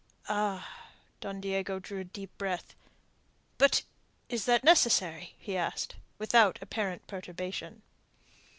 "Ah!" Don Diego drew a deep breath. "But is that necessary?" he asked, without apparent perturbation.